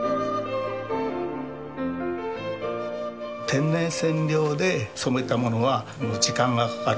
天然染料で染めたものは時間がかかる。